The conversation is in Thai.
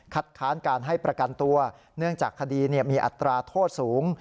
ค้านการให้ประกันตัวเนื่องจากคดีมีอัตราโทษสูง